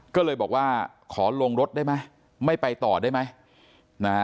ก็เลยบอกว่าขอลงรถได้ไหมไม่ไปต่อได้ไหมนะฮะ